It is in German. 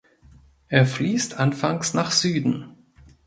Er fließt anfangs nach Süden.